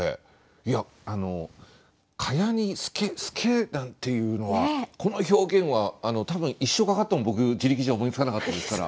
いや「蚊帳に透け」「透け」なんていうのはこの表現は多分一生かかっても僕自力じゃ思いつかなかったですから。